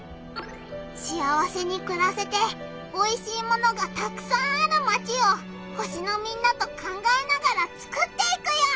しあわせにくらせておいしいものがたくさんあるマチを星のみんなと考えながらつくっていくよ！